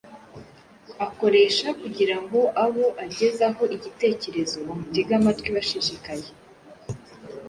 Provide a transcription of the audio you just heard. akoresha kugira ngo abo agezaho igitekerezo bamutege amatwi bashishikaye.